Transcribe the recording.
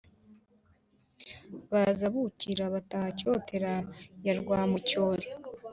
Baza Bukira, bataha Cyotera ya Rwamucyoli